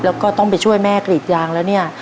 แล้วก็ต้องไปช่วยแม่กรีดยางแล้วเนี่ย